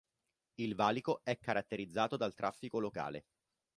Il valico è caratterizzato dal traffico locale.